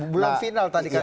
belum final tadi kata